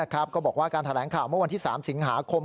ก็บอกว่าการแถลงข่าวเมื่อวันที่๓สิงหาคม